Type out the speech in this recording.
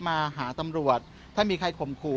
มาหาตำรวจถ้ามีใครข่มขู่